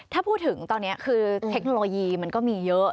ถ้าพูดถึงตอนนี้คือเทคโนโลยีมันก็มีเยอะ